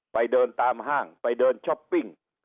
เดินตามห้างไปเดินช้อปปิ้ง